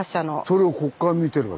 それをここから見てるわけ？